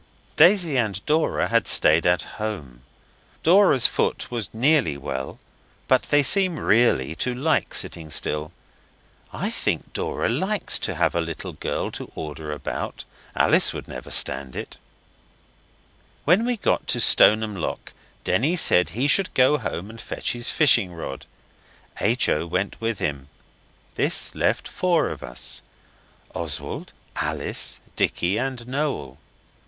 Daisy and Dora had stayed at home: Dora's foot was nearly well but they seem really to like sitting still. I think Dora likes to have a little girl to order about. Alice never would stand it. When we got to Stoneham Lock Denny said he should go home and fetch his fishing rod. H. O. went with him. This left four of us Oswald, Alice, Dicky, and Noel.